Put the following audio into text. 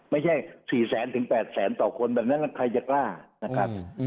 ไม่ใช่๔แสนถึง๘แสนต่อคนแบบนั้นใครจะกล้านะครับ